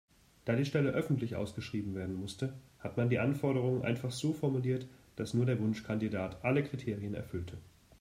Da die Stelle öffentlich ausgeschrieben werden musste, hat man die Anforderungen einfach so formuliert, dass nur der Wunschkandidat alle Kriterien erfüllte.